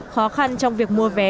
khó khăn trong việc mua vé